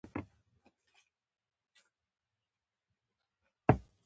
د ګرګین زمانې او تاریخ ته نظر وکړئ.